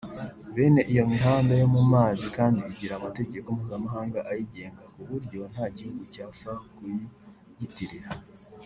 Bene iyo mihanda yo mu mazi kandi igira amategeko mpuzamahanga ayigenga ku buryo nta gihugu cyapfa kuyiyitirira